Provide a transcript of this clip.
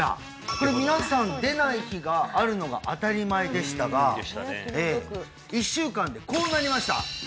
これ皆さん出ない日があるのが当たり前でしたが１週間でこうなりました！